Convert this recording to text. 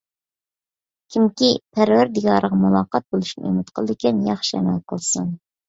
كىمكى پەرۋەردىگارىغا مۇلاقەت بولۇشنى ئۈمىد قىلىدىكەن، ياخشى ئەمەل قىلسۇن.